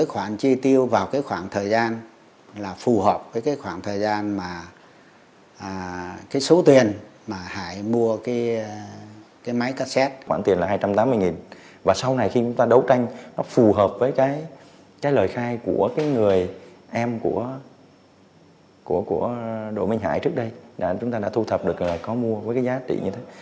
hải mua cái máy cassette khoản tiền là hai trăm tám mươi và sau này khi chúng ta đấu tranh nó phù hợp với cái lời khai của người em của đội minh hải trước đây chúng ta đã thu thập được là có mua với cái giá trị như thế